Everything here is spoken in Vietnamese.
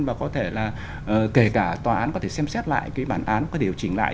và có thể là kể cả tòa án có thể xem xét lại cái bản án có điều chỉnh lại